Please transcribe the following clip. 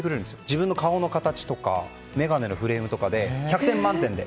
自分の顔の形とか眼鏡のフレームとかで１００点満点で。